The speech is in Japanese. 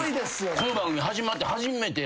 この番組始まって初めてらしいです